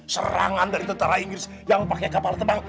serangan dari tentara inggris yang pakai kapal tebang